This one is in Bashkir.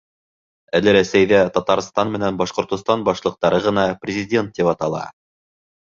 Әле Рәсәйҙә Татарстан менән Башҡортостан башлыҡтары ғына президент тип атала.